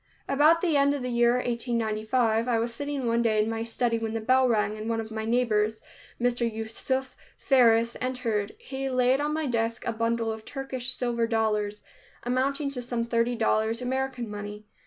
About the end of the year 1895, I was sitting one evening in my study when the bell rang, and one of my neighbors, Mr. Yusuf Faris, entered. He laid on my desk a bundle of Turkish silver dollars, amounting to some thirty dollars American money.